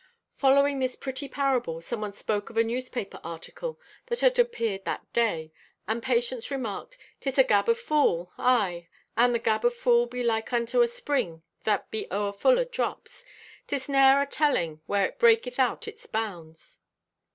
Following this pretty parable someone spoke of a newspaper article that had appeared that day, and Patience remarked: "'Tis a gab o' fool. Aye, and the gab o' fool be like unto a spring that be o'erfull o' drops, 'tis ne'er atelling when it breaketh out its bounds."